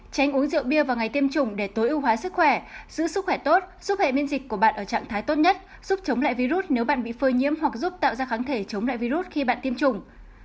tránh uống rượu bia vào ngày tiêm chủng để tối ưu hóa sức khỏe giữ sức khỏe tốt giúp hệ miễn dịch của bạn ở trạng thái tốt nhất giúp chống lại virus nếu bạn bị phơi nhiễm hoặc giúp tạo ra kháng thể chống lại virus khi bạn tiêm chủng